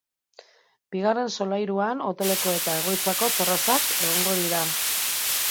Bigarren solairuan hoteleko eta egoitzako terrazak egongo dira.